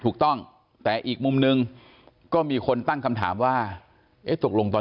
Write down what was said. ก็คืออยากให้อยากให้ด้วยเสน่หา